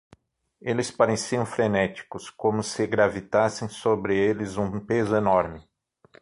Eles pareciam frenéticos, como se gravitassem sobre eles um peso enorme.